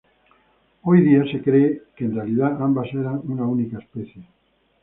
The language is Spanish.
Hoy día se cree que en realidad ambas eran una única especie.